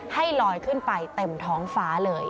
ให้ลอยขึ้นไปเต็มท้องฟ้าเลย